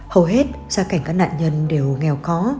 hầu hết gia cảnh các nạn nhân đều nghèo khó